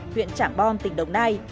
huyện trảng bon tỉnh đồng nai